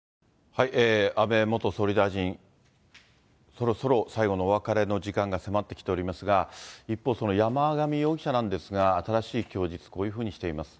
そろそろ最後のお別れの時間が迫ってきておりますが、一方、山上容疑者なんですが、新しい供述、こういうふうにしています。